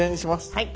はい。